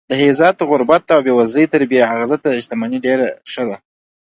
د عزت غربت او بې وزلي تر بې عزته شتمنۍ ډېره ښه ده.